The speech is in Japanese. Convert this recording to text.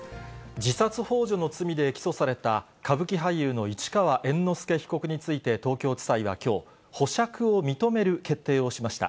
自殺ほう助の罪で起訴された歌舞伎俳優の市川猿之助被告について東京地裁はきょう、保釈を認める決定をしました。